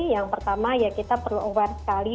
yang pertama ya kita perlu aware sekali